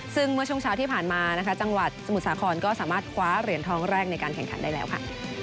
ซึ่งเมื่อช่วงเช้าที่ผ่านมานะคะจังหวัดสมุทรสาครก็สามารถคว้าเหรียญทองแรกในการแข่งขันได้แล้วค่ะ